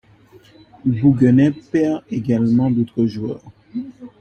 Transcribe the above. Bouguenais perd également d'autres joueurs.